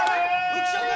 浮所君！